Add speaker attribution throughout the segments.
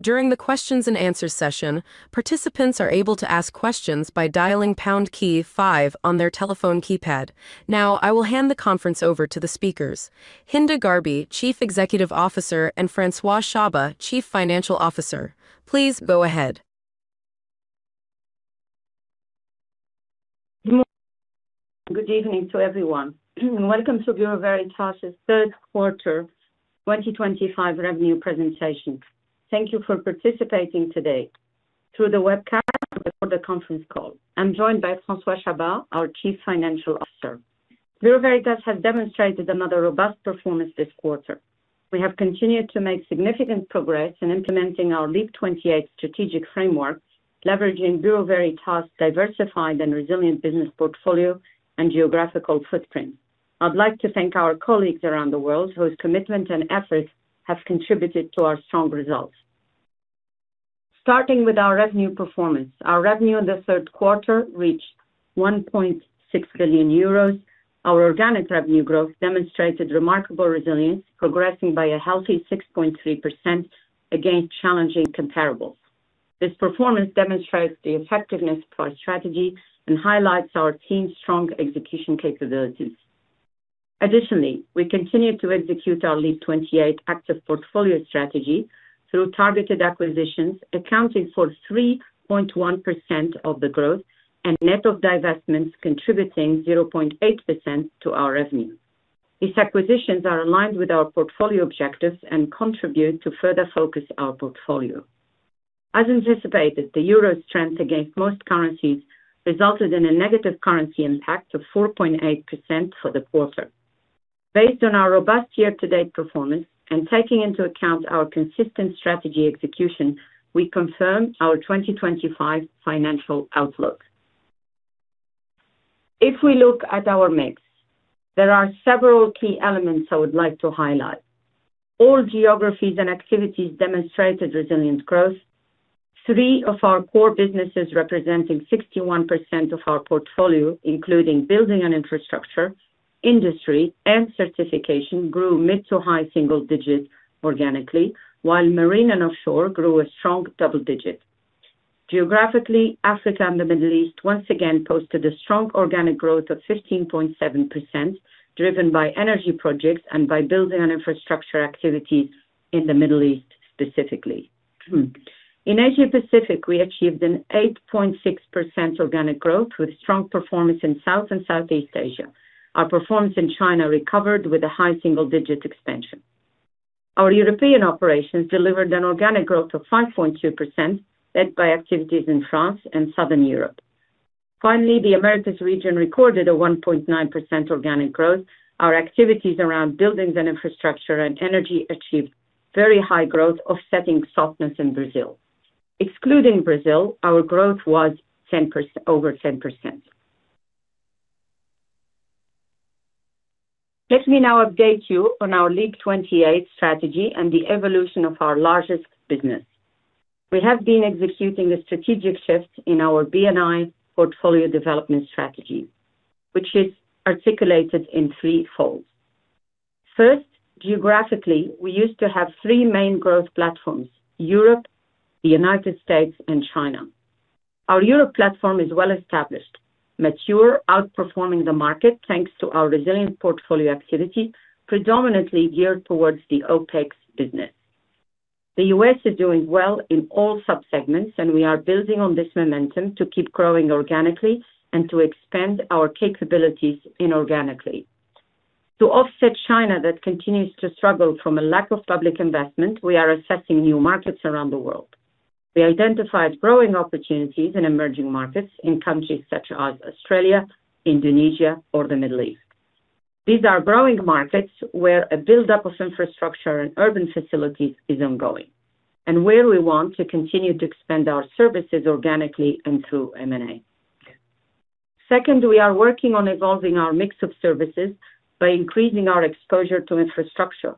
Speaker 1: During the questions and answers session, participants are able to ask questions by dialing pound key five on their telephone keypad. Now, I will hand the conference over to the speakers. Hinda Gharbi, Chief Executive Officer, and François Chabas, Chief Financial Officer, please go ahead.
Speaker 2: Good evening to everyone, and welcome to Bureau Veritas's third quarter 2025 revenue presentation. Thank you for participating today through the webcam or the conference call. I'm joined by François Chabas, our Chief Financial Officer. Bureau Veritas has demonstrated another robust performance this quarter. We have continued to make significant progress in implementing our LEAP 28 strategic framework, leveraging Bureau Veritas's diversified and resilient business portfolio and geographical footprint. I'd like to thank our colleagues around the world whose commitment and effort have contributed to our strong results. Starting with our revenue performance, our revenue in the third quarter reached € 1.6 billion. Our organic revenue growth demonstrated remarkable resilience, progressing by a healthy 6.3% against challenging comparables. This performance demonstrates the effectiveness of our strategy and highlights our team's strong execution capabilities. Additionally, we continue to execute our LEAP 28 active portfolio strategy through targeted acquisitions, accounting for 3.1% of the growth and net of divestments contributing 0.8% to our revenue. These acquisitions are aligned with our portfolio objectives and contribute to further focusing our portfolio. As anticipated, the euro's strength against most currencies resulted in a negative currency impact of 4.8% for the quarter. Based on our robust year-to-date performance and taking into account our consistent strategy execution, we confirm our 2025 financial outlook. If we look at our mix, there are several key elements I would like to highlight. All geographies and activities demonstrated resilient growth. Three of our core businesses representing 61% of our portfolio, including Buildings and Infrastructure, Industry, and Certification, grew mid to high single-digit organically, while Marine & Offshore grew a strong double-digit. Geographically, Africa and the Middle East once again posted a strong organic growth of 15.7%, driven by Energy projects and by Buildings and Infrastructure activities in the Middle East specifically. In Asia-Pacific, we achieved an 8.6% organic growth with strong performance in South and Southeast Asia. Our performance in China recovered with a high single-digit expansion. Our European operations delivered an organic growth of 5.2%, led by activities in France and Southern Europe. Finally, the Americas region recorded a 1.9% organic growth. Our activities around Buildings and Infrastructure and Energy achieved very high growth, offsetting softness in Brazil. Excluding Brazil, our growth was over 10%. Let me now update you on our LEAP 28 strategy and the evolution of our largest business. We have been executing a strategic shift in our BNI portfolio development strategy, which is articulated in three folds. First, geographically, we used to have three main growth platforms: Europe, the U.S., and China. Our Europe platform is well-established, mature, outperforming the market thanks to our resilient portfolio activity, predominantly geared towards the OpEx business. The U.S. is doing well in all subsegments, and we are building on this momentum to keep growing organically and to expand our capabilities inorganically. To offset China that continues to struggle from a lack of public investment, we are assessing new markets around the world. We identified growing opportunities in emerging markets in countries such as Australia, Indonesia, or the Middle East. These are growing markets where a buildup of infrastructure and urban facilities is ongoing and where we want to continue to expand our services organically and through M&A. Second, we are working on evolving our mix of services by increasing our exposure to infrastructure.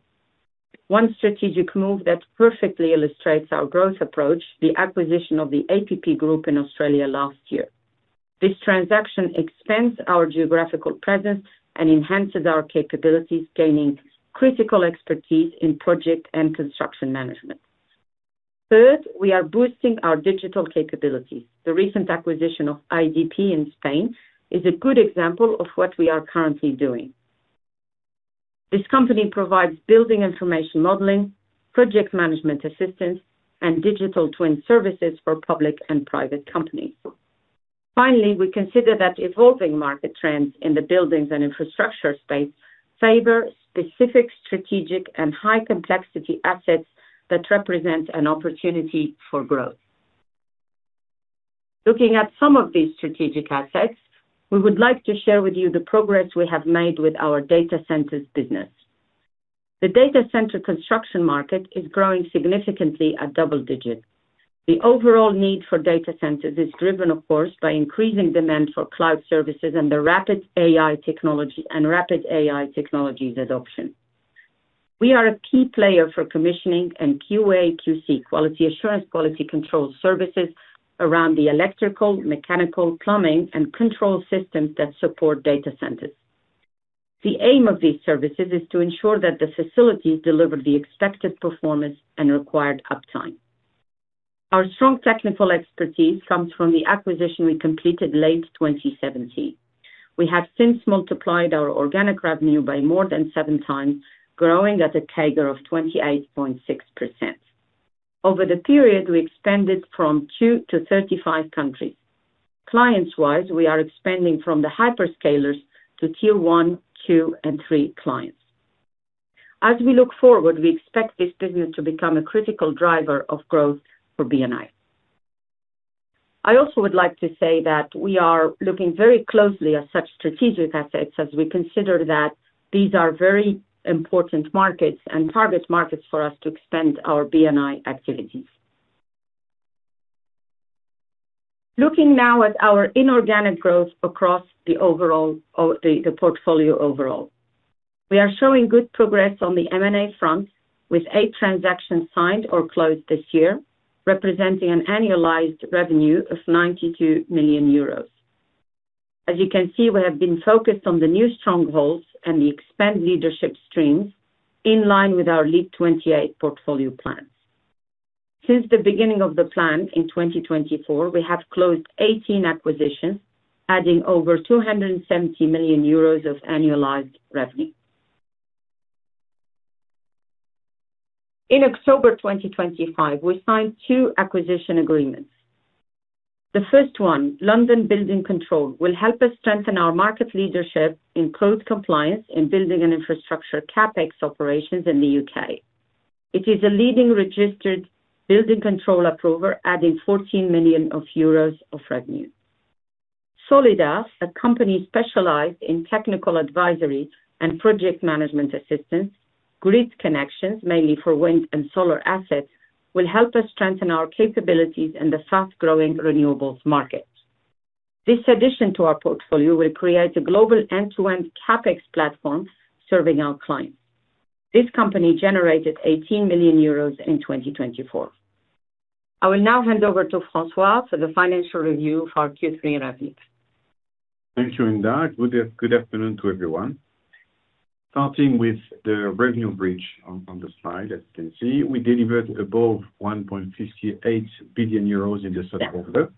Speaker 2: One strategic move that perfectly illustrates our growth approach is the acquisition of the APP Group in Australia last year. This transaction expands our geographical presence and enhances our capabilities, gaining critical expertise in project and construction management. Third, we are boosting our digital capabilities. The recent acquisition of IDP in Spain is a good example of what we are currently doing. This company provides building information modeling, project management assistance, and digital twin services for public and private companies. Finally, we consider that evolving market trends in the Buildings and Infrastructure space favor specific strategic and high-complexity assets that represent an opportunity for growth. Looking at some of these strategic assets, we would like to share with you the progress we have made with our data centers business. The data center construction market is growing significantly at double digits. The overall need for data centers is driven, of course, by increasing demand for cloud services and the rapid AI technology and rapid AI technologies adoption. We are a key player for commissioning and QA/QC, quality assurance, quality control services around the electrical, mechanical, plumbing, and control systems that support data centers. The aim of these services is to ensure that the facilities deliver the expected performance and required uptime. Our strong technical expertise comes from the acquisition we completed late 2017. We have since multiplied our organic revenue by more than seven times, growing at a CAGR of 28.6%. Over the period, we expanded from 2 to 35 countries. Clients-wise, we are expanding from the Hyperscalers to tier one, two, and three clients. As we look forward, we expect this business to become a critical driver of growth for BNI. I also would like to say that we are looking very closely at such strategic assets as we consider that these are very important markets and target markets for us to expand our BNI activities. Looking now at our inorganic growth across the portfolio overall, we are showing good progress on the M&A front, with eight transactions signed or closed this year, representing an annualized revenue of €92 million. As you can see, we have been focused on the new strongholds and the expanded leadership streams in line with our LEAP 28 portfolio plans. Since the beginning of the plan in 2024, we have closed 18 acquisitions, adding over € 270 million of annualized revenue. In October 2025, we signed two acquisition agreements. The first one, London Building Control, will help us strengthen our market leadership in code compliance in building and infrastructure CapEx operations in the UK. It is a leading registered building control approver, adding € 14 million of revenue. Solidas, a company specialized in technical advisory and project management assistance, grid connections mainly for wind and solar assets, will help us strengthen our capabilities in the fast-growing renewables market. This addition to our portfolio will create a global end-to-end CapEx platform serving our clients. This company generated € 18 million in 2024. I will now hand over to François for the financial review of our Q3 revenue.
Speaker 3: Thank you, Hinda. Good afternoon to everyone. Starting with the revenue bridge on the slide, as you can see, we delivered above € 1.58 billion in the third quarter,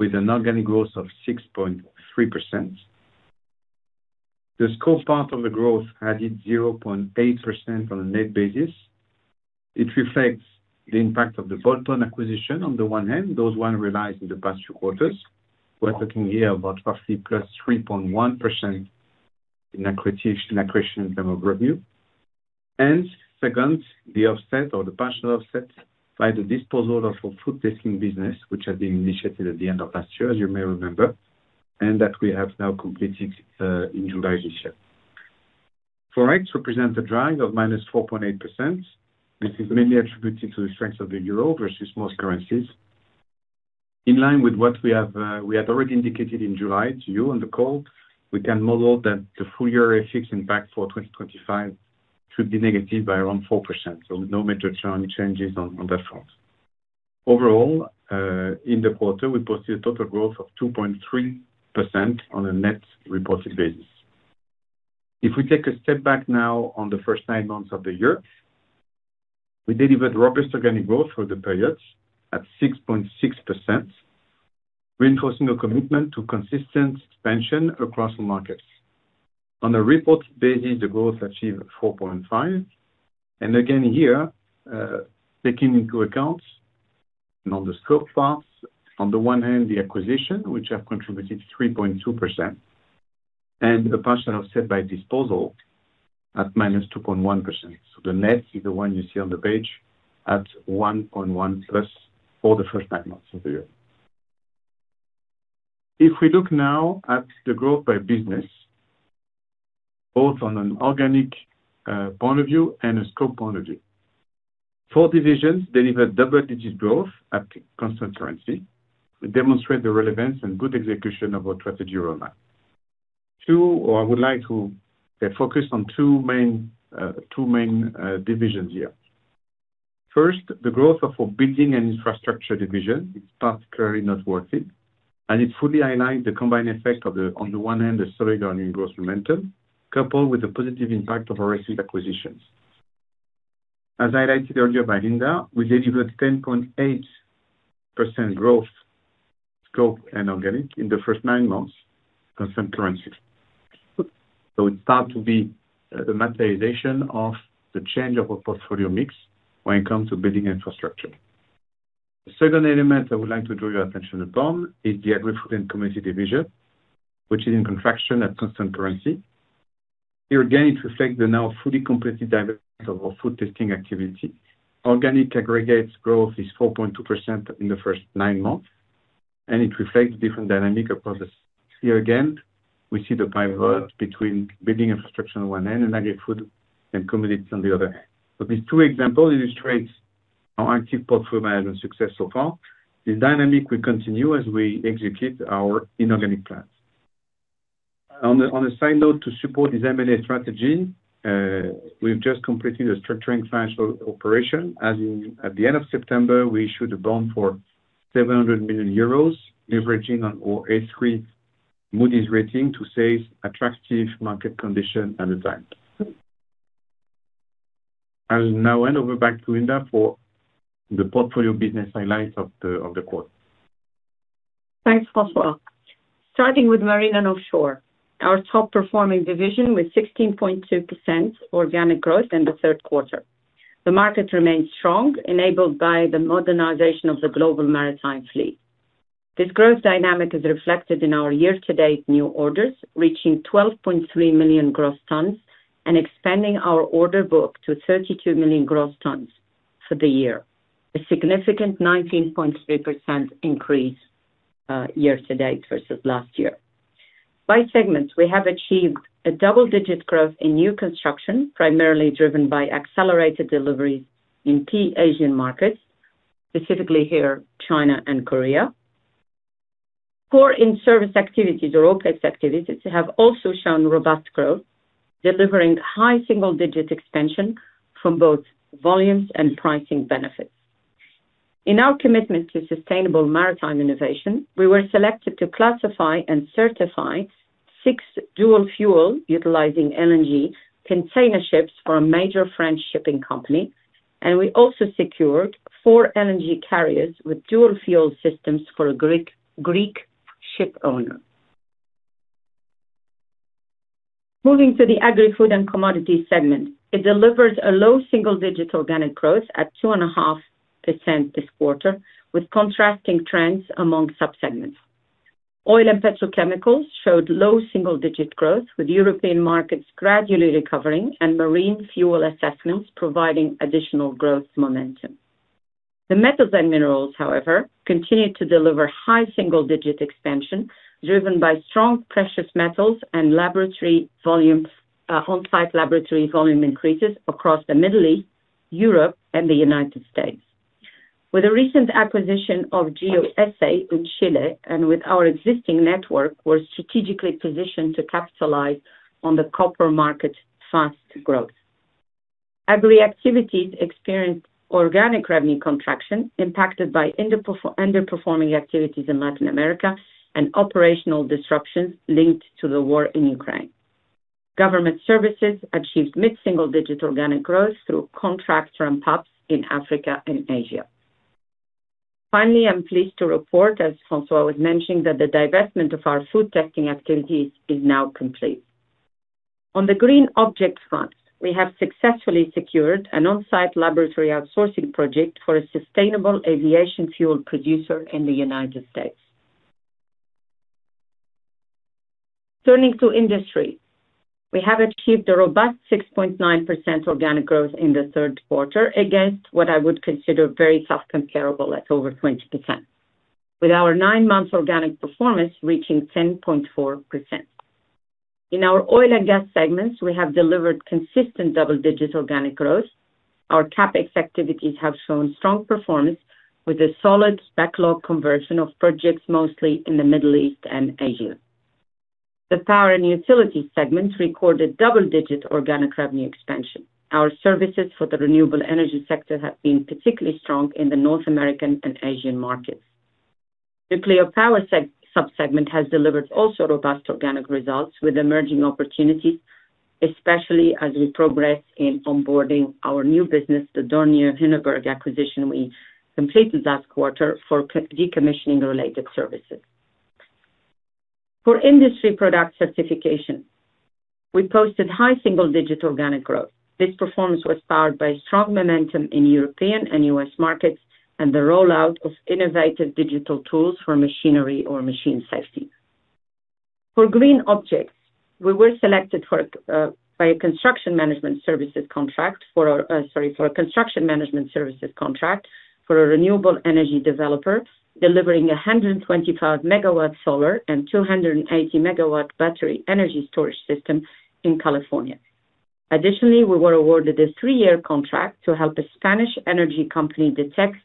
Speaker 3: with an organic growth of 6.3%. The scope part of the growth added 0.8% on a net basis. It reflects the impact of the bolt-on acquisition on the one hand, those ones realized in the past few quarters. We're talking here about roughly plus 3.1% in accretion in terms of revenue. Second, the offset or the partial offset by the disposal of our food tasting business, which had been initiated at the end of last year, as you may remember, and that we have now completed in July this year. For rates represent a drag of -4.8%. This is mainly attributed to the strength of the euro versus most currencies. In line with what we had already indicated in July to you on the call, we can model that the full-year fixed impact for 2025 should be negative by around 4%. No major changes on that front. Overall, in the quarter, we posted a total growth of 2.3% on a net reported basis. If we take a step back now on the first nine months of the year, we delivered robust organic growth for the period at 6.6%, reinforcing a commitment to consistent expansion across all markets. On a reported basis, the growth achieved 4.5%. Again here, taking into account on the scope parts, on the one hand, the acquisition, which have contributed 3.2%, and a partial offset by disposal at -2.1%. The net is the one you see on the page at 1.1%+ for the first nine months of the year. If we look now at the growth by business, both on an organic point of view and a scope point of view, four divisions delivered double-digit growth at constant currency, which demonstrates the relevance and good execution of our strategy roadmap. I would like to focus on two main divisions here. First, the growth of our Buildings and Infrastructure division is particularly noteworthy, and it fully highlights the combined effect of, on the one hand, the solid earning growth momentum, coupled with the positive impact of our acquisitions. As I highlighted earlier by Hinda, we delivered 10.8% growth, scope, and organic in the first nine months on some currencies. It's starting to be the materialization of the change of our portfolio mix wh en it comes to Buildings and Infrastructure. The second element I would like to draw your attention upon is the Agri-Food & Commodities division, which is in contraction at constant currency. Here again, it reflects the now fully completed divestment of our food tasting activity. Organic aggregates growth is 4.2% in the first nine months, and it reflects a different dynamic across the. Here again, we see the pivot between Buildings and Infrastructure on one end and Agri-Food & Commodities on the other hand. These two examples illustrate our active portfolio management success so far. This dynamic will continue as we execute our inorganic plans. On a side note, to support this M&A strategy, we've just completed a structuring financial operation. As at the end of September, we issued a bond for € 700 million, leveraging on our A3 Moody's rating to seize attractive market conditions at the time. I will now hand over back to Hinda for the portfolio business highlights of the quarter.
Speaker 2: Thanks, François. Starting with Marine & Offshore, our top-performing division with 16.2% organic growth in the third quarter. The market remains strong, enabled by the modernization of the global maritime fleet. This growth dynamic is reflected in our year-to-date new orders reaching 12.3 million gross tons and expanding our order book to 32 million gross tons for the year, a significant 19.3% increase year to date versus last year. By segments, we have achieved double-digit growth in new construction, primarily driven by accelerated deliveries in key Asian markets, specifically here, China and Korea. Core in-service activities or OpEx activities have also shown robust growth, delivering high single-digit expansion from both volumes and pricing benefits. In our commitment to sustainable maritime innovation, we were selected to classify and certify six dual-fuel utilizing LNG container ships for a major French shipping company, and we also secured four LNG carriers with dual-fuel systems for a Greek ship owner. Moving to the Agri-Food & Commodities segment, it delivered low single-digit organic growth at 2.5% this quarter, with contrasting trends among subsegments. Oil and petrochemicals showed low single-digit growth, with European markets gradually recovering and marine fuel assessments providing additional growth momentum. The metals and minerals, however, continue to deliver high single-digit expansion, driven by strong precious metals and on-site laboratory volume increases across the Middle East, Europe, and the United States. With a recent acquisition of GEO SA in Chile and with our existing network, we're strategically positioned to capitalize on the copper market's fast growth. Agri activities experienced organic revenue contraction impacted by underperforming activities in Latin America and operational disruptions linked to the war in Ukraine. Government services achieved mid-single-digit organic growth through contract ramp-ups in Africa and Asia. Finally, I'm pleased to report, as François was mentioning, that the divestment of our food tasting activities is now complete. On the green object front, we have successfully secured an on-site laboratory outsourcing project for a sustainable aviation fuel producer in the United States. Turning to Industry, we have achieved robust 6.9% organic growth in the third quarter against what I would consider very tough comparable at over 20%, with our nine-month organic performance reaching 10.4%. In our oil and gas segments, we have delivered consistent double-digit organic growth. Our CapEx activities have shown strong performance with a solid backlog conversion of projects, mostly in the Middle East and Asia. The power and utilities segments recorded double-digit organic revenue expansion. Our services for the renewable energy sector have been particularly strong in the North American and Asian markets. The nuclear power subsegment has delivered also robust organic results with emerging opportunities, especially as we progress in onboarding our new business, the Dorner Hindenburg acquisition we completed last quarter for decommissioning related services. For industry product certification, we posted high single-digit organic growth. This performance was powered by strong momentum in European and U.S. markets and the rollout of innovative digital tools for machinery or machine safety. For green objects, we were selected by a construction management services contract for a renewable energy developer delivering a 125 MW solar and 280 MW battery energy storage system in California. Additionally, we were awarded a three-year contract to help a Spanish energy company detect,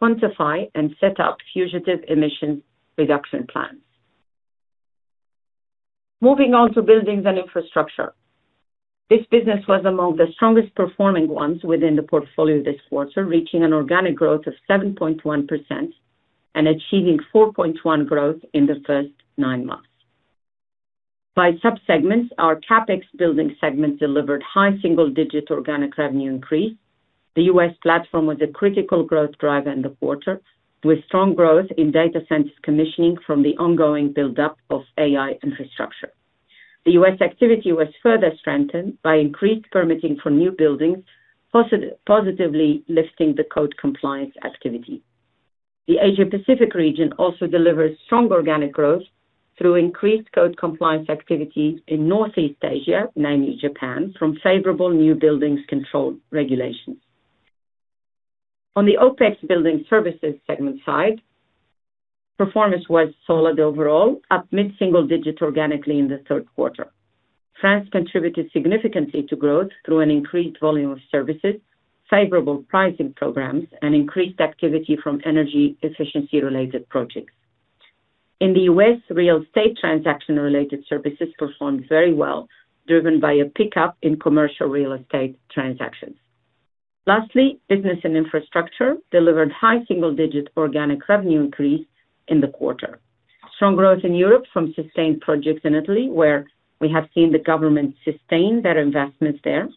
Speaker 2: quantify, and set up fugitive emissions reduction plans. Moving on to Buildings and Infrastructure, this business was among the strongest performing ones within the portfolio this quarter, reaching an organic growth of 7.1% and achieving 4.1% growth in the first nine months. By subsegments, our CapEx building segment delivered high single-digit organic revenue increase. The U.S. platform was a critical growth driver in the quarter, with strong growth in data centers commissioning from the ongoing buildup of AI infrastructure. The U.S. activity was further strengthened by increased permitting for new buildings, positively lifting the code compliance activity. The Asia-Pacific region also delivers strong organic growth through increased code compliance activity in Northeast Asia, namely Japan, from favorable new buildings control regulations. On the OpEx building services segment side, performance was solid overall, up mid-single-digit organically in the third quarter. France contributed significantly to growth through an increased volume of services, favorable pricing programs, and increased activity from energy efficiency-related projects. In the U.S., real estate transaction-related services performed very well, driven by a pickup in commercial real estate transactions. Lastly, Buildings and Infrastructure delivered high single-digit organic revenue increase in the quarter. Strong growth in Europe from sustained projects in Italy, where we have seen the government sustain their investments there.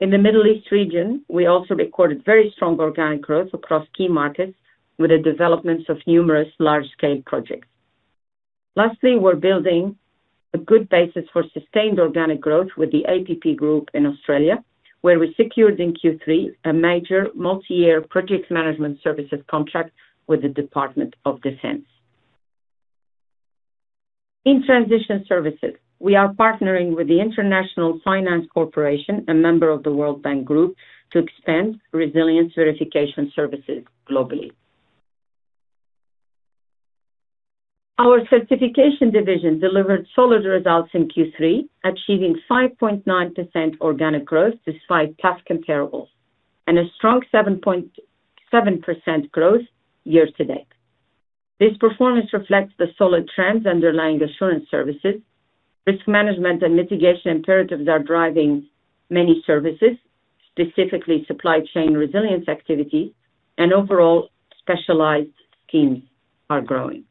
Speaker 2: In the Middle East region, we also recorded very strong organic growth across key markets with the developments of numerous large-scale projects. Lastly, we're building a good basis for sustained organic growth with the APP Group in Australia, where we secured in Q3 a major multi-year project management services contract with the Department of Defense. In transition services, we are partnering with the International Finance Corporation, a member of the World Bank Group, to expand resilience verification services globally. Our Certification division delivered solid results in Q3, achieving 5.9% organic growth despite past comparables and a strong 7.7% growth year to date. This performance reflects the solid trends underlying assurance services. Risk management and mitigation imperatives are driving many services, specifically supply chain resilience activities, and overall specialized schemes are growing.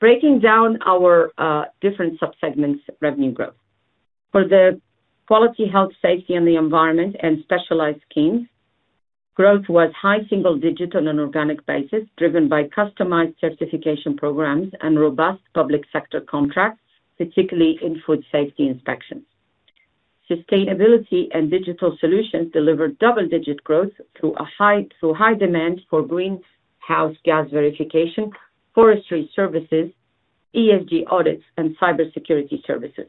Speaker 2: Breaking down our different subsegments' revenue growth, for the quality, health, safety, and the environment and specialized schemes, growth was high single digit on an organic basis, driven by customized Certification programs and robust public sector contracts, particularly in food safety inspections. Sustainability and digital solutions delivered double-digit growth through a high demand for greenhouse gas verification, forestry services, ESG audits, and cybersecurity services.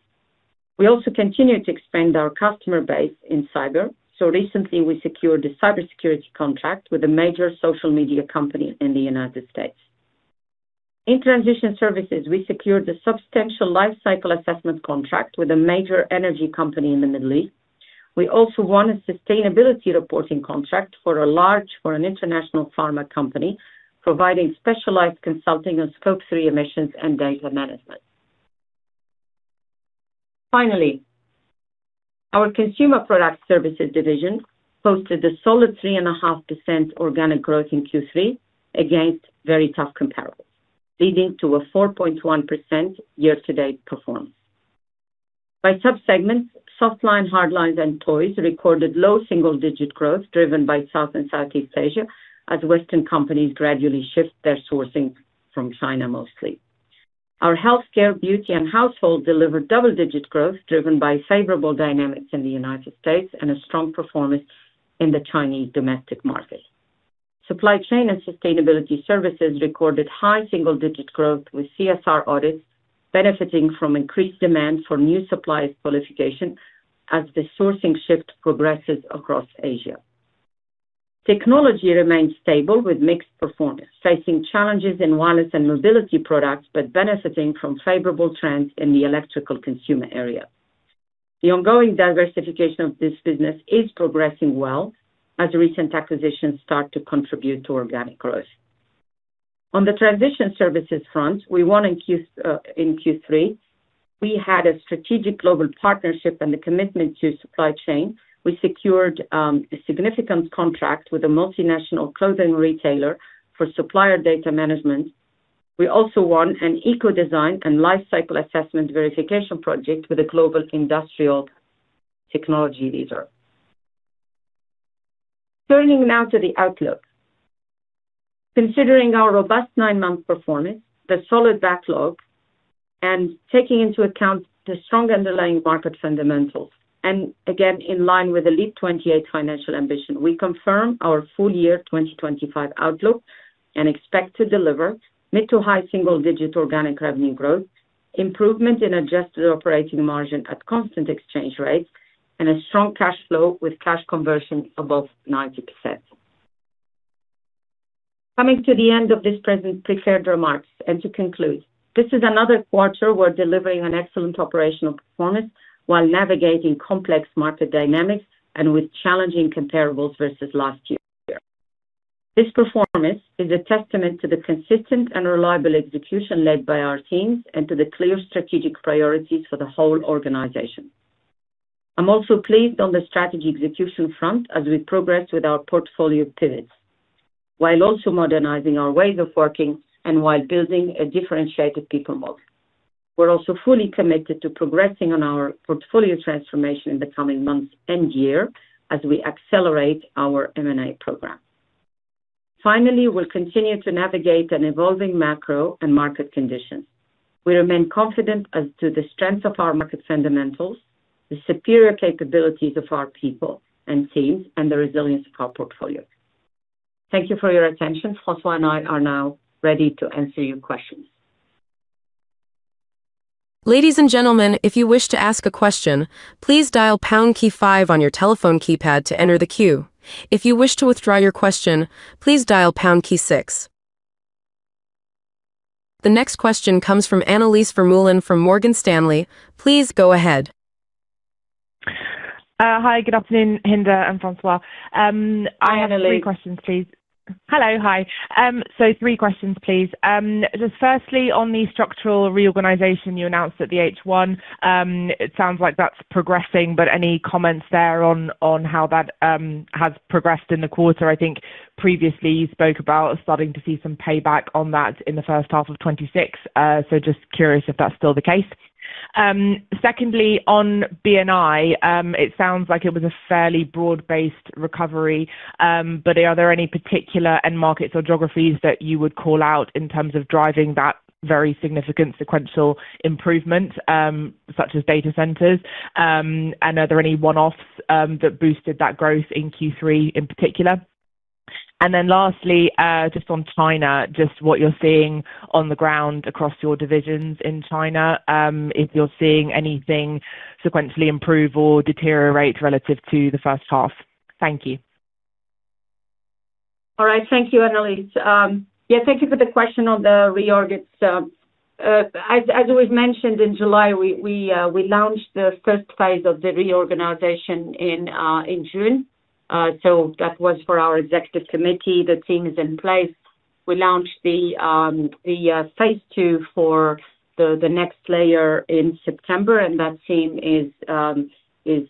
Speaker 2: We also continue to expand our customer base in cyber. Recently, we secured a cybersecurity contract with a major social media company in the United States. In transition services, we secured a substantial lifecycle assessment contract with a major energy company in the Middle East. We also won a sustainability reporting contract for a large international pharma company, providing specialized consulting on scope three emissions and data management. Finally, our Consumer Products Services division posted a solid 3.5% organic growth in Q3 against very tough comparables, leading to a 4.1% year-to-date performance. By subsegments, soft line, hard lines, and toys recorded low single-digit growth, driven by South and Southeast Asia, as Western companies gradually shift their sourcing from China mostly. Our healthcare, beauty, and household delivered double-digit growth, driven by favorable dynamics in the United States and a strong performance in the Chinese domestic market. Supply chain and sustainability services recorded high single-digit growth with CSR audits, benefiting from increased demand for new suppliers' qualification as the sourcing shift progresses across Asia. Technology remains stable with mixed performance, facing challenges in wireless and mobility products, but benefiting from favorable trends in the electrical consumer area. The ongoing diversification of this business is progressing well as recent acquisitions start to contribute to organic growth. On the transition services front, we won in Q3. We had a strategic global partnership and the commitment to supply chain. We secured a significant contract with a multinational clothing retailer for supplier data management. We also won an eco-design and lifecycle assessment verification project with a global industrial technology leader. Turning now to the outlook, considering our robust nine-month performance, the solid backlog, and taking into account the strong underlying market fundamentals, and again in line with the LEAP 28 financial ambition, we confirm our full-year 2025 outlook and expect to deliver mid to high single-digit organic revenue growth, improvement in adjusted operating margin at constant exchange rates, and a strong cash flow with cash conversion above 90%. Coming to the end of this present prepared remarks and to conclude, this is another quarter where delivering an excellent operational performance while navigating complex market dynamics and with challenging comparables versus last year. This performance is a testament to the consistent and reliable execution led by our teams and to the clear strategic priorities for the whole organization. I'm also pleased on the strategy execution front as we progress with our portfolio pivots, while also modernizing our ways of working and while building a differentiated people model. We're also fully committed to progressing on our portfolio transformation in the coming months and year as we accelerate our M&A program. Finally, we'll continue to navigate an evolving macro and market conditions. We remain confident as to the strength of our market fundamentals, the superior capabilities of our people and teams, and the resilience of our portfolio. Thank you for your attention. François and I are now ready to answer your questions.
Speaker 1: Ladies and gentlemen, if you wish to ask a question, please dial pound key five on your telephone keypad to enter the queue. If you wish to withdraw your question, please dial pound key six. The next question comes from Annelies Vermeulen from Morgan Stanley. Please go ahead.
Speaker 4: Hi, good afternoon, Hinda and François. I have three questions, please. Hello, hi. Three questions, please. Firstly, on the structural reorganization you announced at the H1, it sounds like that's progressing, but any comments there on how that has progressed in the quarter? I think previously you spoke about starting to see some payback on that in the first half of 2026. Just curious if that's still the case. Secondly, on BNI, it sounds like it was a fairly broad-based recovery, but are there any particular end markets or geographies that you would call out in terms of driving that very significant sequential improvement, such as data centers? Are there any one-offs that boosted that growth in Q3 in particular? Lastly, just on China, what you're seeing on the ground across your divisions in China, if you're seeing anything sequentially improve or deteriorate relative to the first half. Thank you.
Speaker 2: All right. Thank you, Annelies. Yeah, thank you for the question on the reorg. As we've mentioned, in July, we launched the first phase of the reorganization in June. That was for our Executive Committee. The team is in place. We launched the phase two for the next layer in September, and that team is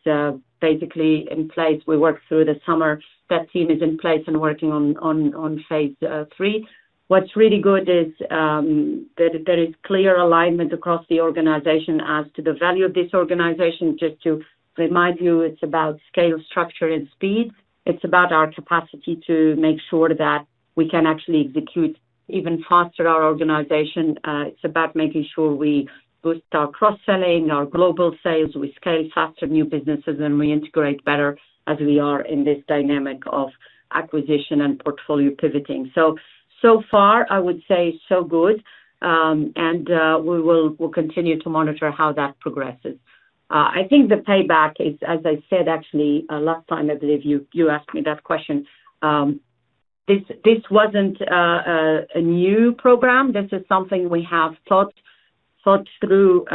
Speaker 2: basically in place. We worked through the summer. That team is in place and working on phase three. What's really good is that there is clear alignment across the organization as to the value of this organization. Just to remind you, it's about scale, structure, and speed. It's about our capacity to make sure that we can actually execute even faster our organization. It's about making sure we boost our cross-selling, our global sales, we scale faster new businesses, and we integrate better as we are in this dynamic of acquisition and portfolio pivoting. So far, I would say so good. We will continue to monitor how that progresses. I think the payback is, as I said, actually, last time I believe you asked me that question. This wasn't a new program. This is something we have thought through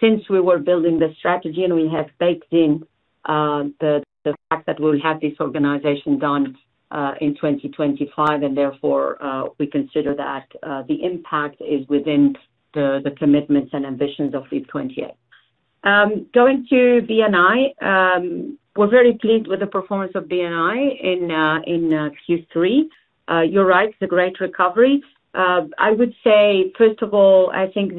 Speaker 2: since we were building the strategy, and we have baked in the fact that we'll have this organization done in 2025. Therefore, we consider that the impact is within the commitments and ambitions of LEAP 28. Going to BNI, we're very pleased with the performance of BNI in Q3. You're right, it's a great recovery. I would say, first of all, I think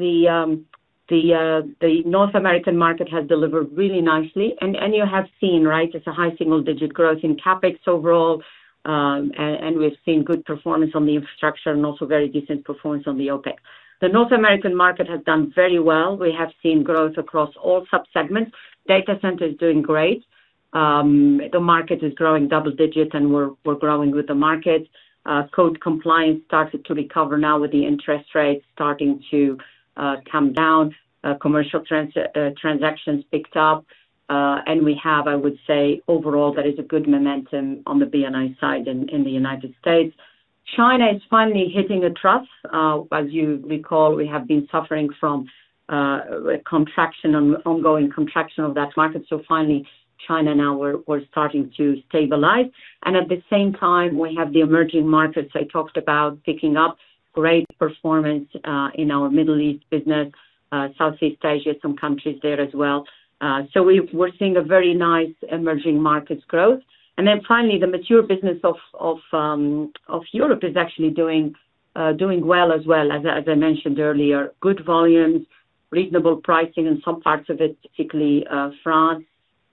Speaker 2: the North American market has delivered really nicely. You have seen, right, it's a high single-digit growth in CapEx overall. We've seen good performance on the infrastructure and also very decent performance on the OpEx. The North American market has done very well. We have seen growth across all subsegments. Data centers are doing great. The market is growing double-digit, and we're growing with the market. Code compliance started to recover now with the interest rates starting to come down. Commercial transactions picked up. I would say, overall, there is a good momentum on the BNI side in the United States. China is finally hitting a trough. As you recall, we have been suffering from a contraction, an ongoing contraction of that market. Finally, China now, we're starting to stabilize. At the same time, we have the emerging markets I talked about picking up great performance in our Middle East business, Southeast Asia, some countries there as well. We're seeing a very nice emerging markets growth. Finally, the mature business of Europe is actually doing well as well, as I mentioned earlier. Good volumes, reasonable pricing, and some parts of it, particularly France,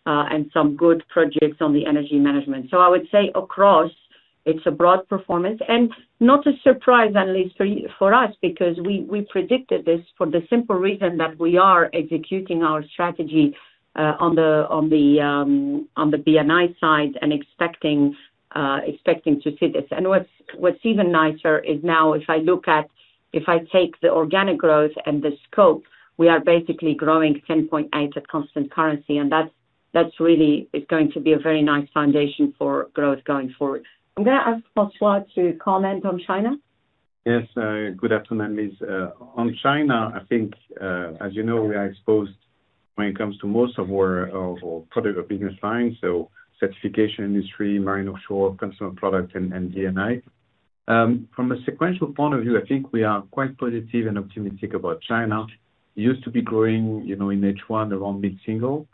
Speaker 2: and some good projects on the energy management. I would say across, it's a broad performance. Not a surprise, Annelies, for us, because we predicted this for the simple reason that we are executing our strategy on the BNI side and expecting to see this. What's even nicer is now, if I look at, if I take the organic growth and the scope, we are basically growing 10.8% at constant currency. That really is going to be a very nice foundation for growth going forward. I'm going to ask François to comment on China.
Speaker 3: Yes. Good afternoon, Annelies. On China, I think, as you know, we are exposed when it comes to most of our product or business lines, so Certification, Industry, Marine & Offshore, Consumer Products, and BNI. From a sequential point of view, I think we are quite positive and optimistic about China. It used to be growing, you know, in H1 around mid-single.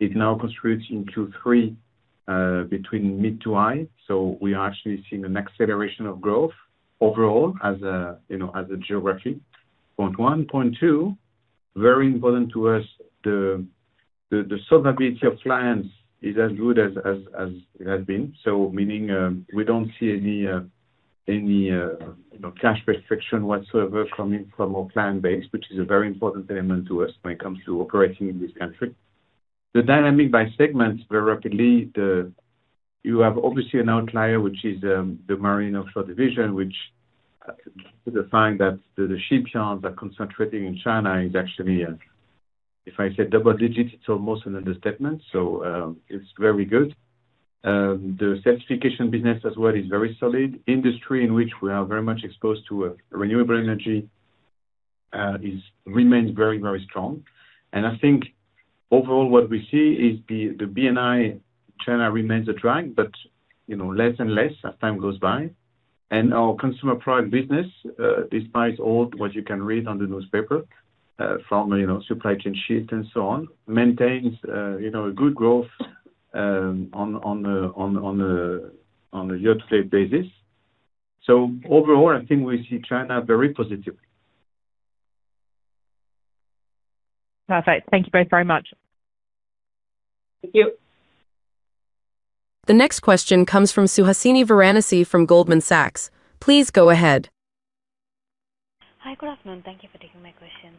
Speaker 3: It now constitutes in Q3 between mid to high. We are actually seeing an acceleration of growth overall as a geography. Point one. Point two, very important to us, the solvability of clients is as good as it has been. Meaning we don't see any cash restriction whatsoever coming from our client base, which is a very important element to us when it comes to operating in this country. The dynamic by segments, very rapidly, you have obviously an outlier, which is the Marine & Offshore division, which the fact that the shipyards are concentrated in China is actually, if I say double digit, it's almost an understatement. It's very good. The Certification business as well is very solid. Industry in which we are very much exposed to renewable energy remains very, very strong. I think overall what we see is the BNI China remains a drag, but you know less and less as time goes by. Our Consumer Products business, despite all what you can read on the newspaper from supply chain shifts and so on, maintains a good growth on a year-to-date basis. Overall, I think we see China very positive.
Speaker 4: Perfect. Thank you both very much.
Speaker 2: Thank you.
Speaker 1: The next question comes from Suhasini Varanasi from Goldman Sachs. Please go ahead.
Speaker 5: Hi, good afternoon. Thank you for taking my questions.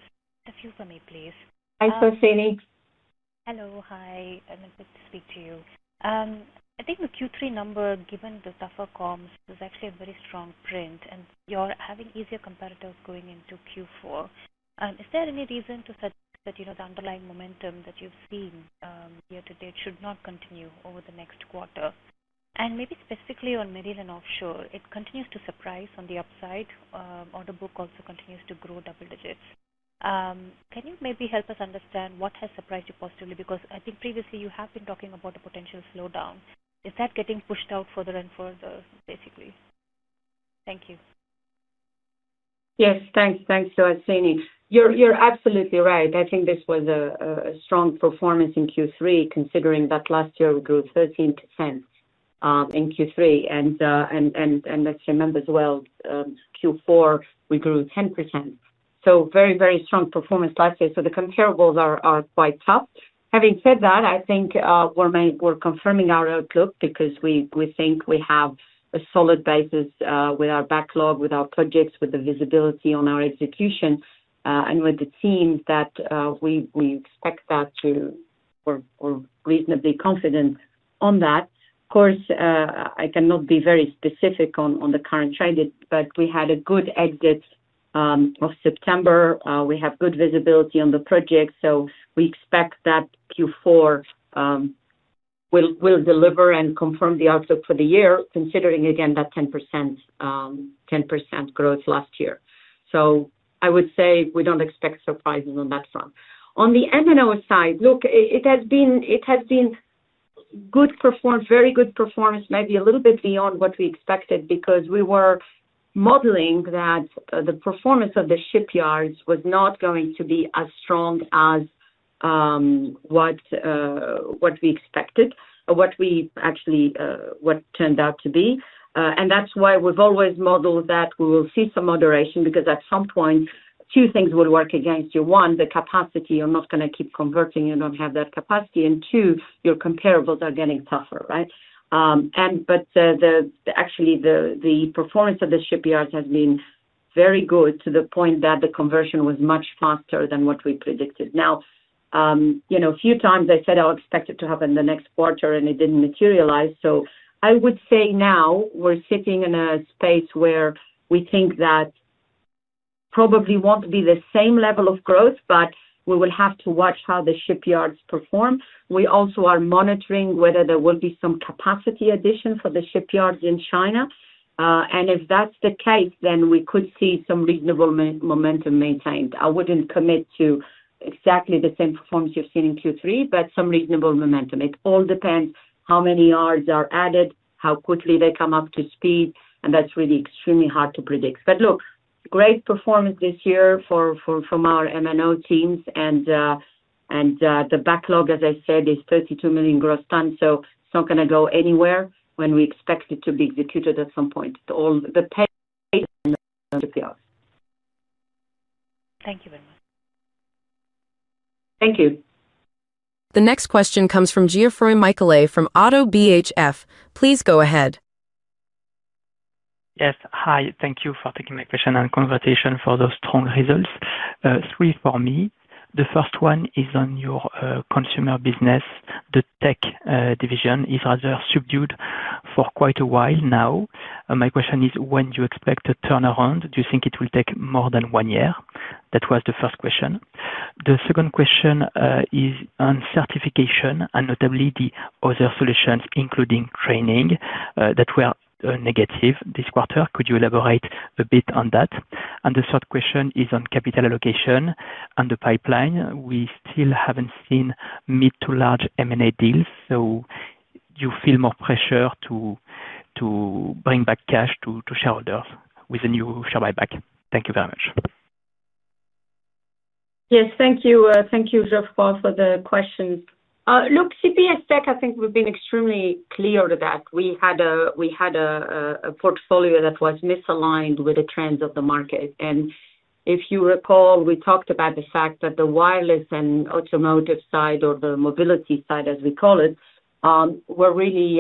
Speaker 5: A few for me, please.
Speaker 2: Hi, Suhasini.
Speaker 5: Hello. Hi. I'm excited to speak to you. I think the Q3 number, given the tougher comps, is actually a very strong print, and you're having easier competitors going into Q4. Is there any reason to suggest that the underlying momentum that you've seen year to date should not continue over the next quarter? Maybe specifically on Marine & Offshore, it continues to surprise on the upside. Order book also continues to grow double digits. Can you maybe help us understand what has surprised you positively? I think previously you have been talking about a potential slowdown. Is that getting pushed out further and further, basically? Thank you.
Speaker 2: Yes. Thanks, Suhasini. You're absolutely right. I think this was a strong performance in Q3, considering that last year we grew 13% in Q3. Let's remember as well, Q4 we grew 10%. Very, very strong performance last year. The comparables are quite tough. Having said that, I think we're confirming our outlook because we think we have a solid basis with our backlog, with our projects, with the visibility on our execution, and with the teams that we expect that to. We're reasonably confident on that. Of course, I cannot be very specific on the current trade, but we had a good exit of September. We have good visibility on the project. We expect that Q4 will deliver and confirm the outlook for the year, considering again that 10% growth last year. I would say we don't expect surprises on that front. On the M&O side, look, it has been good, very good performance, maybe a little bit beyond what we expected because we were modeling that the performance of the shipyards was not going to be as strong as what we expected, what we actually turned out to be. That's why we've always modeled that we will see some moderation because at some point, two things will work against you. One, the capacity, you're not going to keep converting. You don't have that capacity. Two, your comparables are getting tougher, right? Actually, the performance of the shipyards has been very good to the point that the conversion was much faster than what we predicted. A few times I said I'll expect it to happen in the next quarter, and it didn't materialize. I would say now we're sitting in a space where we think that probably won't be the same level of growth, but we will have to watch how the shipyards perform. We also are monitoring whether there will be some capacity addition for the shipyards in China. If that's the case, then we could see some reasonable momentum maintained. I wouldn't commit to exactly the same performance you've seen in Q3, but some reasonable momentum. It all depends how many yards are added, how quickly they come up to speed, and that's really extremely hard to predict. Great performance this year from our M&O teams. The backlog, as I said, is 32 million gross tons, so it's not going to go anywhere when we expect it to be executed at some point. It all depends on the shipyards.
Speaker 5: Thank you very much.
Speaker 2: Thank you.
Speaker 1: The next question comes from Geoffroy Michela from AutoBHF. Please go ahead. Yes. Hi. Thank you for taking my question and congratulations for those strong results. Three for me. The first one is on your consumer business. The tech division is rather subdued for quite a while now. My question is, when do you expect a turnaround? Do you think it will take more than one year? That was the first question. The second question is on Certification and notably the other solutions, including training, that were negative this quarter. Could you elaborate a bit on that? The third question is on capital allocation and the pipeline. We still haven't seen mid to large M&A deals. Do you feel more pressure to bring back cash to shareholders with a new share buyback? Thank you very much.
Speaker 2: Yes. Thank you. Thank you, Geoffroy, for the questions. Look, CPS Tech, I think we've been extremely clear that we had a portfolio that was misaligned with the trends of the market. If you recall, we talked about the fact that the wireless and automotive side, or the mobility side, as we call it, were really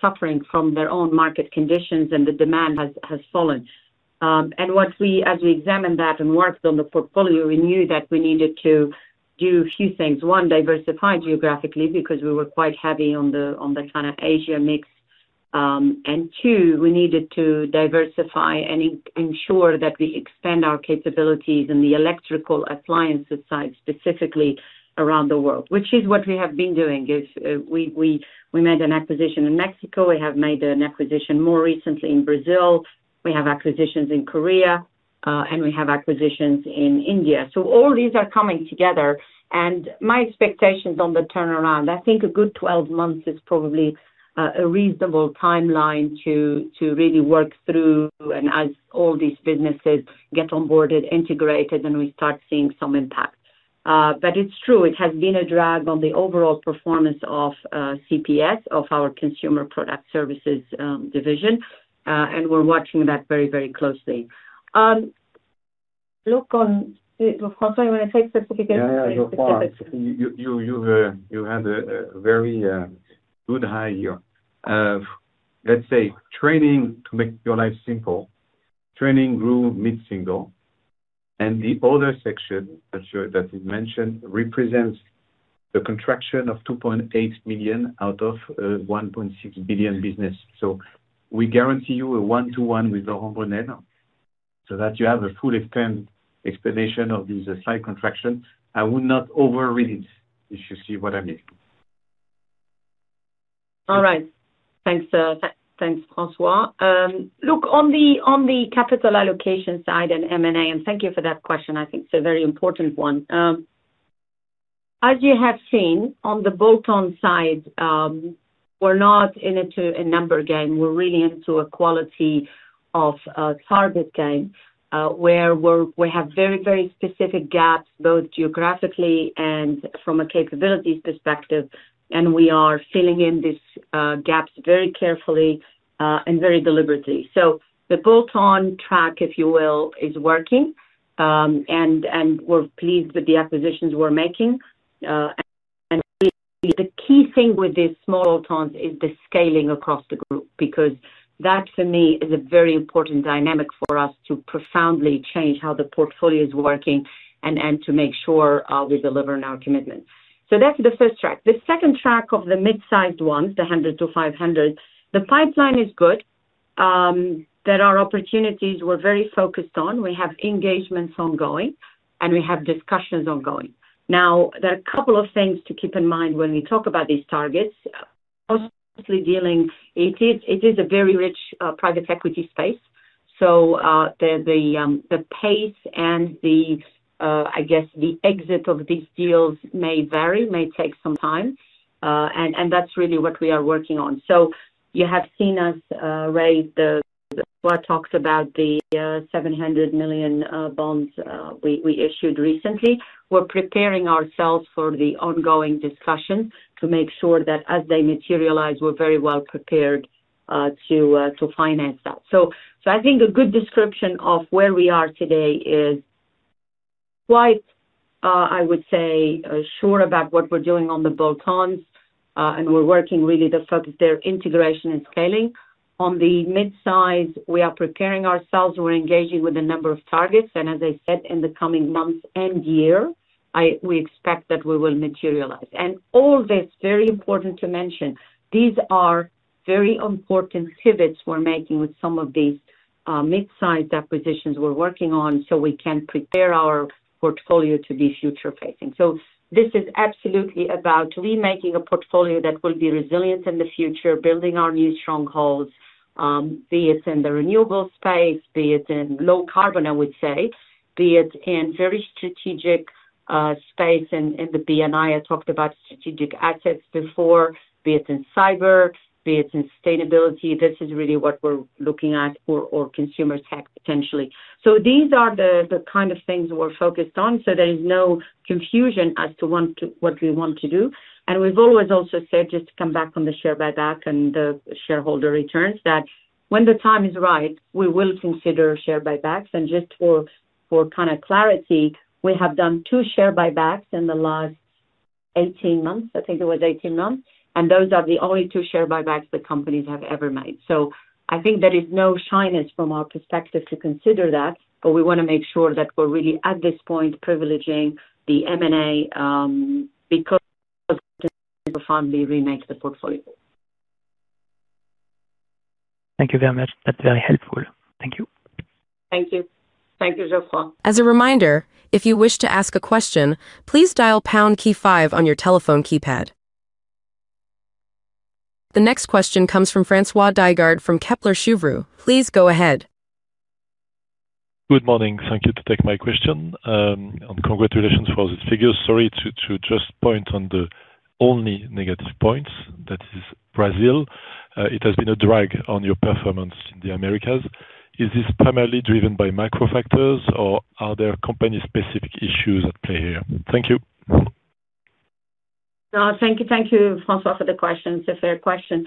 Speaker 2: suffering from their own market conditions, and the demand has fallen. As we examined that and worked on the portfolio, we knew that we needed to do a few things. One, diversify geographically because we were quite heavy on the China-Asia mix. Two, we needed to diversify and ensure that we expand our capabilities in the electrical appliances side specifically around the world, which is what we have been doing. We made an acquisition in Mexico. We have made an acquisition more recently in Brazil. We have acquisitions in Korea, and we have acquisitions in India. All these are coming together. My expectations on the turnaround, I think a good 12 months is probably a reasonable timeline to really work through as all these businesses get onboarded, integrated, and we start seeing some impact. It's true, it has been a drag on the overall performance of CPS, of our Consumer Products Services division. We're watching that very, very closely. Look on. François, you want to take specific?
Speaker 3: No, no, no. You had a very good high here. Let's say training to make your life simple. Training grew mid-single. The other section that you mentioned represents the contraction of $2.8 million out of a $1.6 billion business. We guarantee you a one-to-one with Laurent Brunel so that you have a full explanation of this slight contraction. I will not overread it if you see what I mean.
Speaker 2: All right. Thanks, François. Look, on the capital allocation side and M&A, thank you for that question. I think it's a very important one. As you have seen, on the bolt-on side, we're not into a number game. We're really into a quality of target game where we have very, very specific gaps, both geographically and from a capabilities perspective. We are filling in these gaps very carefully and very deliberately. The bolt-on track, if you will, is working. We're pleased with the acquisitions we're making. The key thing with these small bolt-ons is the scaling across the group because that, for me, is a very important dynamic for us to profoundly change how the portfolio is working and to make sure we deliver on our commitment. That's the first track. The second track of the mid-sized ones, the $100 million-$500 million, the pipeline is good. There are opportunities we're very focused on. We have engagements ongoing, and we have discussions ongoing. There are a couple of things to keep in mind when we talk about these targets. Mostly dealing, it is a very rich private equity space. The pace and the, I guess, the exit of these deals may vary, may take some time. That's really what we are working on. You have seen us raise, the talks about the $700 million bonds we issued recently. We're preparing ourselves for the ongoing discussion to make sure that as they materialize, we're very well prepared to finance that. I think a good description of where we are today is quite, I would say, sure about what we're doing on the bolt-ons. We're working really to focus their integration and scaling. On the mid-size, we are preparing ourselves. We're engaging with a number of targets. As I said, in the coming months and year, we expect that we will materialize. All this is very important to mention. These are very important pivots we're making with some of these mid-sized acquisitions we're working on so we can prepare our portfolio to be future-facing. This is absolutely about remaking a portfolio that will be resilient in the future, building our new strongholds, be it in the renewable space, be it in low carbon, I would say, be it in very strategic space. In the BNI, I talked about strategic assets before, be it in cyber, be it in sustainability. This is really what we're looking at or consumer tech potentially. These are the kind of things we're focused on. There is no confusion as to what we want to do. We have always also said, just to come back on the share buyback and the shareholder returns, that when the time is right, we will consider share buybacks. Just for kind of clarity, we have done two share buybacks in the last 18 months. I think it was 18 months. Those are the only two share buybacks the company has ever made. There is no shyness from our perspective to consider that, but we want to make sure that we're really, at this point, privileging the M&A because we can profoundly remake the portfolio. Thank you very much. That's very helpful. Thank you. Thank you. Thank you, Geoffroy.
Speaker 1: As a reminder, if you wish to ask a question, please dial pound key five on your telephone keypad. The next question comes from François D from Kepler Cheuvreux. Please go ahead. Good morning. Thank you for taking my question. Congratulations for all these figures. Sorry to just point on the only negative points. That is Brazil. It has been a drag on your performance in the Americas. Is this primarily driven by macro factors, or are there company-specific issues at play here? Thank you.
Speaker 2: Thank you. Thank you, François, for the question. It's a fair question.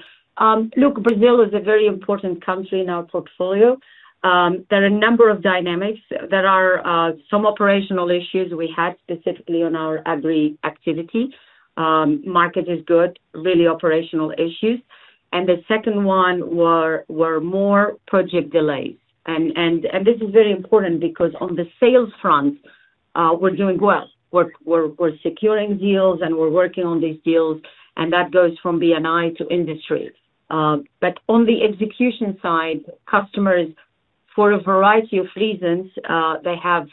Speaker 2: Look, Brazil is a very important country in our portfolio. There are a number of dynamics. There are some operational issues we had specifically on our Agri-Food & Commodities activity. Market is good, really operational issues. The second one were more project delays. This is very important because on the sales front, we're doing well. We're securing deals, and we're working on these deals. That goes from Buildings and Infrastructure to Industry. On the execution side, customers, for a variety of reasons, have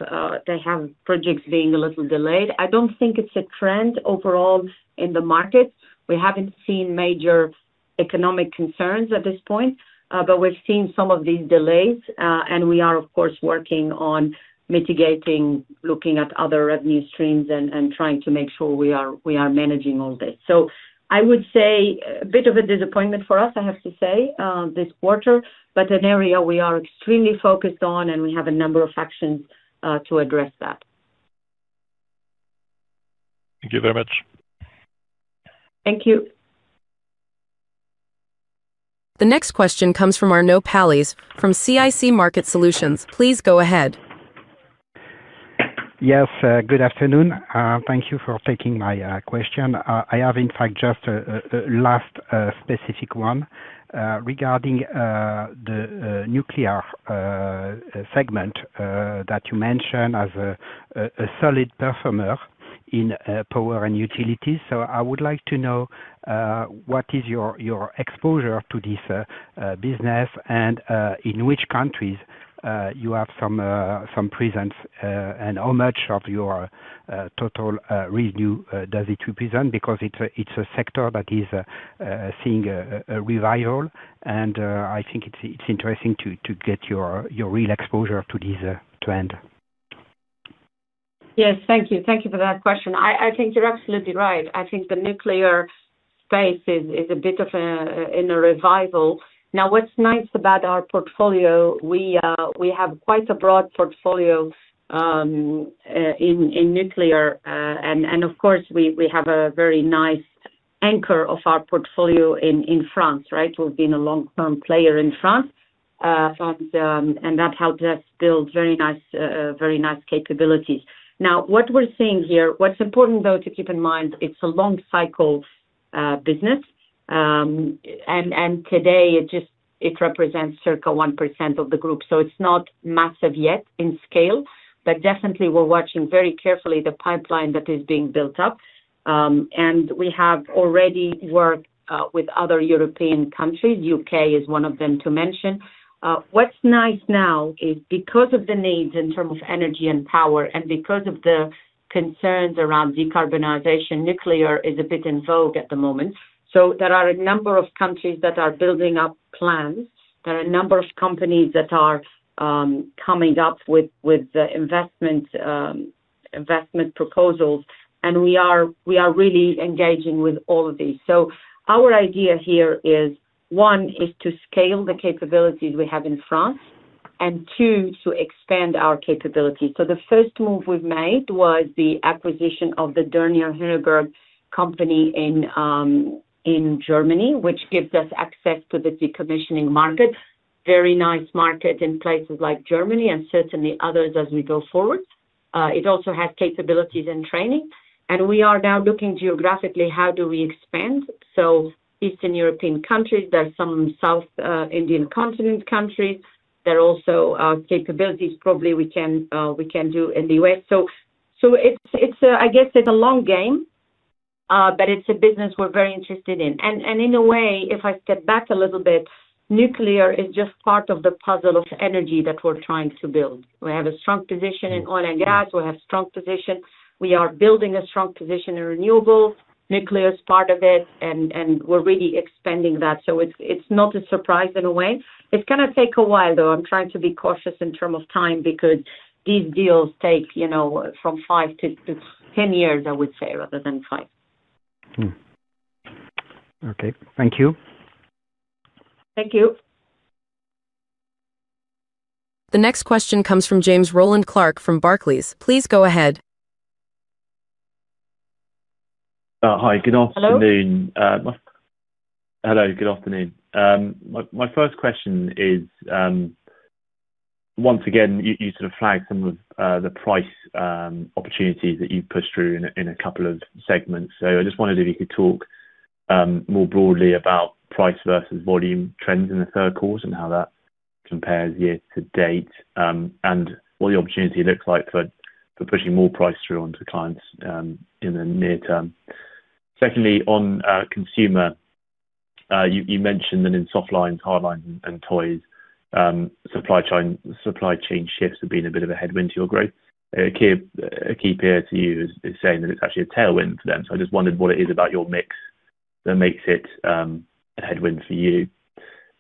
Speaker 2: projects being a little delayed. I don't think it's a trend overall in the market. We haven't seen major economic concerns at this point, but we've seen some of these delays. We are, of course, working on mitigating, looking at other revenue streams, and trying to make sure we are managing all this. I would say a bit of a disappointment for us, I have to say, this quarter, but an area we are extremely focused on, and we have a number of actions to address that. Thank you very much. Thank you.
Speaker 1: The next question comes from Arnaud Palliez from CIC Market Solutions. Please go ahead.
Speaker 6: Yes. Good afternoon. Thank you for taking my question. I have, in fact, just a last specific one regarding the nuclear segment that you mentioned as a solid performer in power and utilities. I would like to know what is your exposure to this business and in which countries you have some presence and how much of your total revenue does it represent because it's a sector that is seeing a revival. I think it's interesting to get your real exposure to this trend.
Speaker 2: Yes. Thank you. Thank you for that question. I think you're absolutely right. I think the nuclear space is a bit of a revival. Now, what's nice about our portfolio, we have quite a broad portfolio in nuclear. Of course, we have a very nice anchor of our portfolio in France, right? We've been a long-term player in France, and that helps us build very nice capabilities. What we're seeing here, what's important though to keep in mind, it's a long-cycle business. Today, it just represents circa 1% of the group. It's not massive yet in scale, but definitely, we're watching very carefully the pipeline that is being built up. We have already worked with other European countries. UK is one of them to mention. What's nice now is because of the needs in terms of energy and power and because of the concerns around decarbonization, nuclear is a bit in vogue at the moment. There are a number of countries that are building up plans. There are a number of companies that are coming up with investment proposals, and we are really engaging with all of these. Our idea here is, one, is to scale the capabilities we have in France, and two, to expand our capabilities. The first move we've made was the acquisition of the Dorner Hindenburg company in Germany, which gives us access to the decommissioning market. Very nice market in places like Germany and certainly others as we go forward. It also has capabilities and training. We are now looking geographically, how do we expand? Eastern European countries, there's some South Indian continent countries. There are also capabilities probably we can do in the U.S. It's, I guess, it's a long game, but it's a business we're very interested in. In a way, if I step back a little bit, nuclear is just part of the puzzle of energy that we're trying to build. We have a strong position in oil and gas. We have a strong position. We are building a strong position in renewable. Nuclear is part of it, and we're really expanding that. It's not a surprise in a way. It's going to take a while, though. I'm trying to be cautious in terms of time because these deals take, you know, from five to 10 years, I would say, rather than five.
Speaker 6: Okay, thank you.
Speaker 2: Thank you.
Speaker 1: The next question comes from James Roland Clark from Barclays. Please go ahead.
Speaker 7: Hi. Good afternoon.
Speaker 2: Hello.
Speaker 7: Hello. Good afternoon. My first question is, once again, you sort of flagged some of the price opportunities that you've pushed through in a couple of segments. I just wondered if you could talk more broadly about price versus volume trends in the third quarter and how that compares year to date and what the opportunity looks like for pushing more price through onto clients in the near term. Secondly, on Consumer Products, you mentioned that in soft lines, hard lines, and toys, supply chain shifts have been a bit of a headwind to your growth. A key peer to you is saying that it's actually a tailwind for them. I just wondered what it is about your mix that makes it a headwind for you.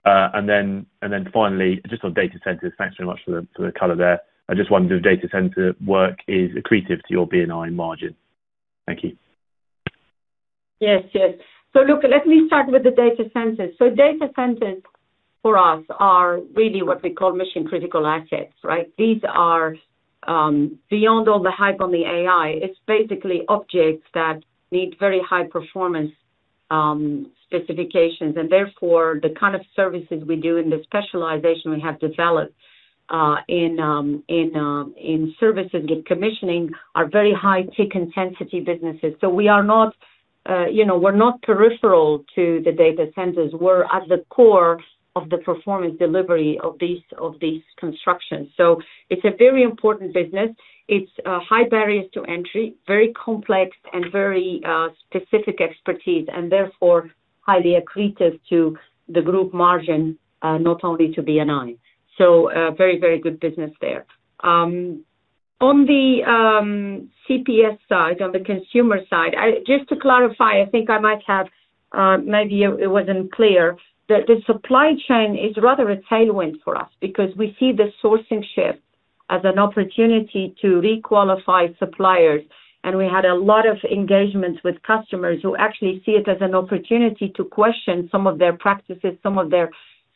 Speaker 7: Finally, just on data centers, thanks very much for the color there. I just wondered if data center work is accretive to your BNI margin. Thank you.
Speaker 2: Yes, yes. Let me start with the data centers. Data centers for us are really what we call mission-critical assets, right? These are beyond all the hype on the AI. It's basically objects that need very high performance specifications. Therefore, the kind of services we do and the specialization we have developed in services with commissioning are very high-tech intensity businesses. We are not, you know, we're not peripheral to the data centers. We're at the core of the performance delivery of these constructions. It's a very important business. It's high barriers to entry, very complex, and very specific expertise, and therefore highly accretive to the group margin, not only to BNI. Very, very good business there. On the CPS side, on the consumer side, just to clarify, I think maybe it wasn't clear that the supply chain is rather a tailwind for us because we see the sourcing shift as an opportunity to requalify suppliers. We had a lot of engagements with customers who actually see it as an opportunity to question some of their practices, some of their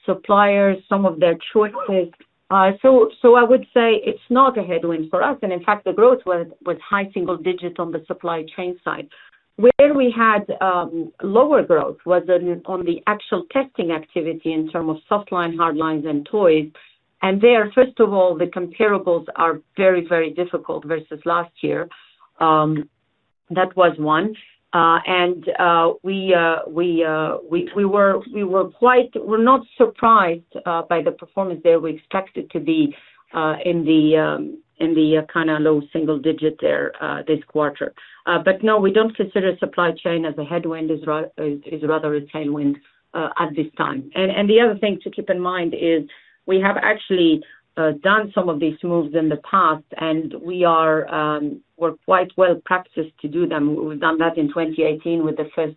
Speaker 2: suppliers, some of their choices. I would say it's not a headwind for us. In fact, the growth was high single digit on the supply chain side. Where we had lower growth was on the actual testing activity in terms of soft line, hard lines, and toys. First of all, the comparables are very, very difficult versus last year. That was one. We were quite, we're not surprised by the performance there. We expect it to be in the kind of low single digit there this quarter. We don't consider supply chain as a headwind. It's rather a tailwind at this time. The other thing to keep in mind is we have actually done some of these moves in the past, and we're quite well-practiced to do them. We've done that in 2018 with the first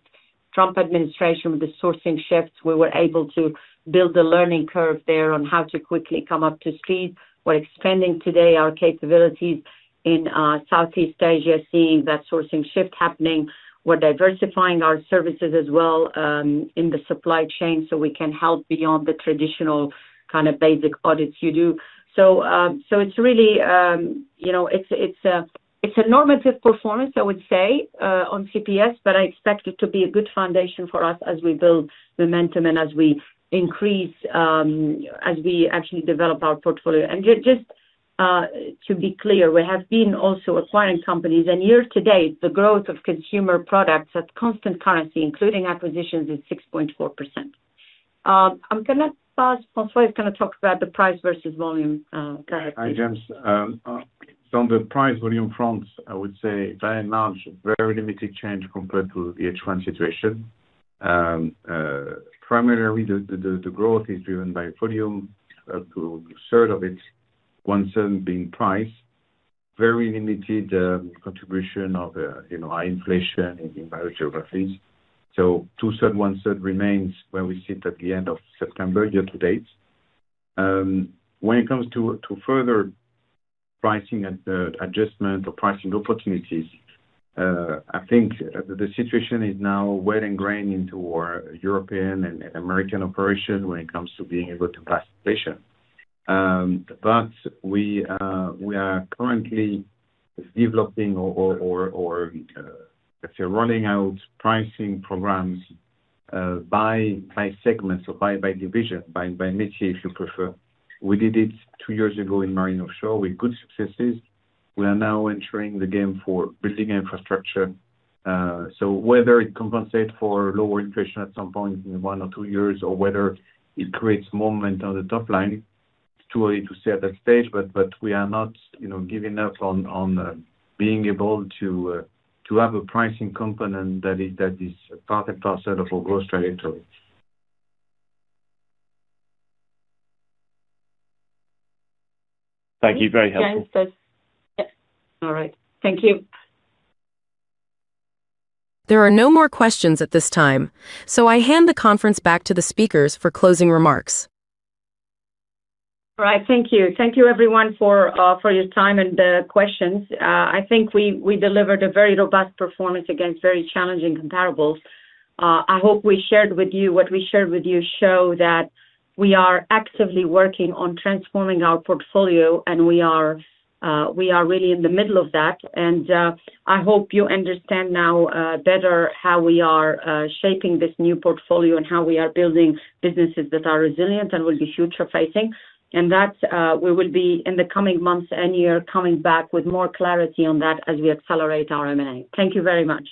Speaker 2: Trump administration with the sourcing shifts. We were able to build a learning curve there on how to quickly come up to speed. We're expanding today our capabilities in Southeast Asia, seeing that sourcing shift happening. We're diversifying our services as well in the supply chain so we can help beyond the traditional kind of basic audits you do. It's really, you know, it's a normative performance, I would say, on CPS, but I expect it to be a good foundation for us as we build momentum and as we increase, as we actually develop our portfolio. Just to be clear, we have been also acquiring companies. Year to date, the growth of consumer products at constant currency, including acquisitions, is 6.4%. I'm going to pause. François is going to talk about the price versus volume. Go ahead.
Speaker 3: Hi, James. On the price volume front, I would say very limited change compared to the H1 situation. Primarily, the growth is driven by volume, up to a third of it, one-third being price. Very limited contribution of high inflation in various geographies. Two-thirds, one-third remains where we sit at the end of September year to date. When it comes to further pricing adjustment or pricing opportunities, I think the situation is now well ingrained into our European and American operations when it comes to being able to price inflation. We are currently developing or, let's say, rolling out pricing programs by segments or by division, by mitigate if you prefer. We did it two years ago in Marine & Offshore with good successes. We are now entering the game for Buildings and Infrastructure. Whether it compensates for lower inflation at some point in one or two years, or whether it creates momentum on the top line, it's too early to say at that stage. We are not giving up on being able to have a pricing component that is part and parcel of our growth trajectory.
Speaker 7: Thank you. Very helpful.
Speaker 2: Thanks. Yes, all right. Thank you.
Speaker 1: There are no more questions at this time. I hand the conference back to the speakers for closing remarks.
Speaker 2: All right. Thank you. Thank you, everyone, for your time and the questions. I think we delivered a very robust performance against very challenging comparables. I hope what we shared with you shows that we are actively working on transforming our portfolio, and we are really in the middle of that. I hope you understand now better how we are shaping this new portfolio and how we are building businesses that are resilient and will be future-facing. We will be in the coming months and year coming back with more clarity on that as we accelerate our M&A. Thank you very much.